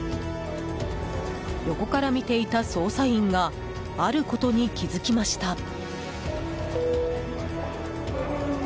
横から見ていた捜査員があることに気づきました。